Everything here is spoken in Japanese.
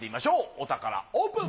お宝オープン！